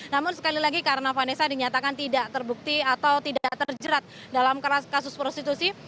namun sekali lagi karena vanessa dinyatakan tidak terbukti atau tidak terjerat dalam kasus prostitusi